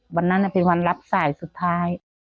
วันนั้นเป็นวันรับสายสุดท้าย